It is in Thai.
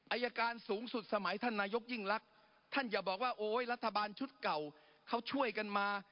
อายการสูงสุดสมัยท่านนายกยิ่งรักท่านอย่าบอกว่าโอ๊ยรัฐบาลชุดเก่าเขาช่วยกันมา